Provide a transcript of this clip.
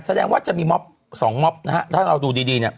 แสดงว่าจะมี๒ม็อปถ้าเราดูดี